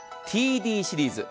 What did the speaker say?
ＴＤシリーズ。